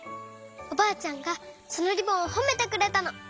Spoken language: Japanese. おばあちゃんがそのリボンをほめてくれたの。